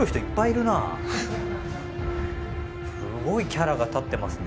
すごいキャラが立ってますね。